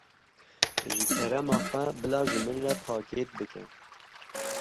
Ji kerema xwe bila ji min re pakêt bike.